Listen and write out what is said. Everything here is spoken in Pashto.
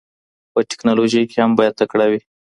په تکنالوژۍ کي هم باید تکړه وي.